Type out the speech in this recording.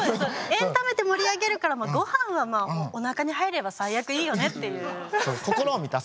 エンタメで盛り上げるからごはんはおなかに入れば最悪いいよねっていう。